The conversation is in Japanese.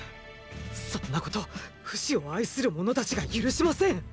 そんなことフシを愛する者たちが許しません！